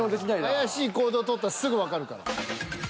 怪しい行動取ったらすぐわかるから。